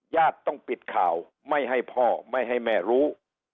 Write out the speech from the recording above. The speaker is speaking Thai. ต้องปิดข่าวไม่ให้พ่อไม่ให้แม่รู้